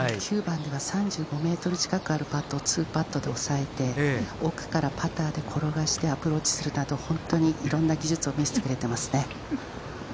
９番では３５メートル近くあるパットを２パットで抑えて奥からパターで転がしてアプローチするなどいろんな技術を見せてくれています。